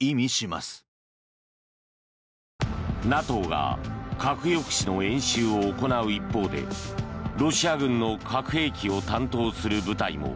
ＮＡＴＯが核抑止の演習を行う一方でロシア軍の核兵器を担当する部隊も